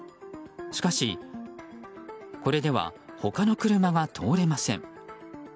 しかし、これでは他の車が通れません。